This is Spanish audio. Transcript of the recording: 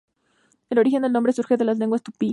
El origen del nombre surge de las lenguas tupí.